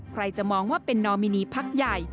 ใครจะมองว่าเป็นนอมินีพักใหญ่